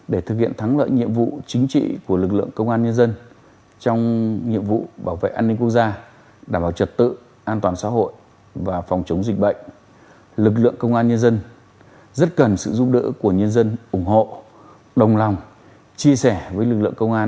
để thực hiện thắng lợi nhiệm vụ chính trị của lực lượng công an nhân dân trong nhiệm vụ bảo vệ an ninh quốc gia đảm bảo trật tự an toàn xã hội và phòng chống dịch bệnh lực lượng công an nhân dân rất cần sự giúp đỡ của nhân dân ủng hộ đồng lòng chia sẻ với lực lượng công an